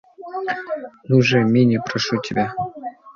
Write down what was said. Ну же, Минни, прошу тебя.